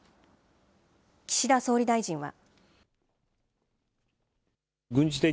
岸田総理大臣は。